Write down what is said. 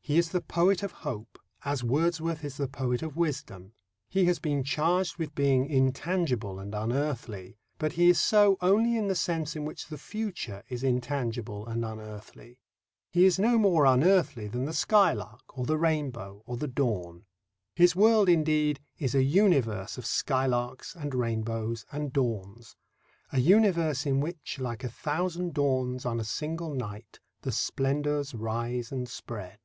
He is the poet of hope, as Wordsworth is the poet of wisdom. He has been charged with being intangible and unearthly, but he is so only in the sense in which the future is intangible and unearthly. He is no more unearthly than the skylark or the rainbow or the dawn. His world, indeed, is a universe of skylarks and rainbows and dawns a universe in which Like a thousand dawns on a single night The splendours rise and spread.